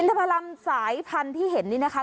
พรรมสายพันธุ์ที่เห็นนี่นะคะ